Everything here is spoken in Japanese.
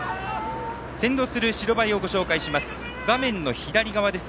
先導する白バイをご紹介します。